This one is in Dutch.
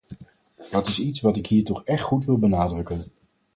Dat is iets wat ik hier toch echt goed wil benadrukken.